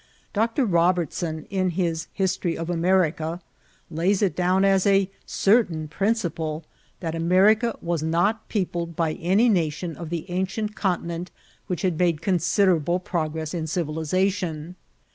Dr. Robertson, in his History of America, lays it down as '< a certain prin« ciple, that America was not peopled by any nation of the ancient continent which had made considerable progress in civilization.''